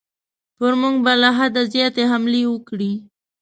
پر موږ به له حده زیاتې حملې وکړي.